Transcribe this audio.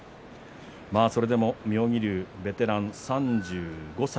それでも妙義龍、ベテラン３５歳。